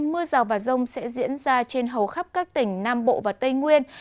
mưa rào và rông sẽ diễn ra trên hầu khắp các tỉnh nam bộ và tây nguyên